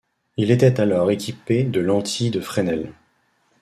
Il était alors équipé de lentilles de Fresnel.